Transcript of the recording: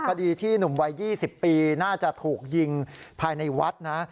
คดีที่หนุ่มวัย๒๐ปีน่าจะถูกยิงภายในวัดนะ